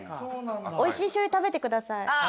おいしい醤油食べてください。